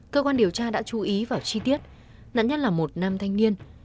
cơ quan điều tra đã chú ý vào chi tiết nạn nhân là một nam thanh niên